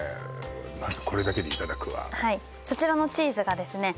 まずこれだけでいただくわそちらのチーズがですね